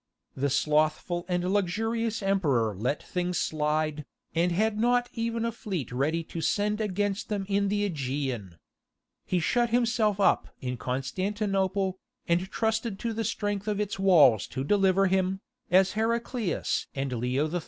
The slothful and luxurious emperor let things slide, and had not even a fleet ready to send against them in the Aegean. He shut himself up in Constantinople, and trusted to the strength of its walls to deliver him, as Heraclius and Leo III.